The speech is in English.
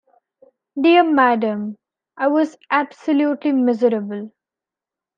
Dear madam, I was absolutely miserable!